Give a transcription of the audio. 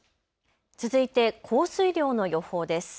続いて降水量の予報です。